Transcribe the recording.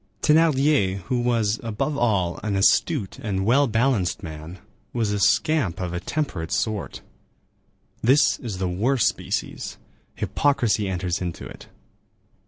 Thénardier, who was, above all, an astute and well balanced man, was a scamp of a temperate sort. This is the worst species; hypocrisy enters into it.